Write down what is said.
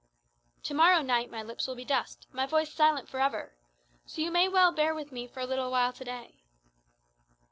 "To morrow night my lips will be dust, my voice silent for ever. So you may well bear with me for a little while to day."